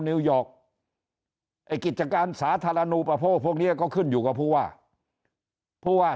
นิวยอร์กไอ้กิจการสาธารณูประโภคพวกนี้ก็ขึ้นอยู่กับผู้ว่าผู้ว่า